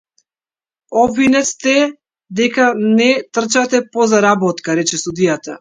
Обвинет сте дека не трчате по заработка, рече судијата.